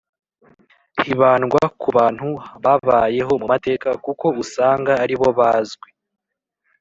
hibandwa ku bantu babayeho mu mateka kuko usanga ari bo bazwi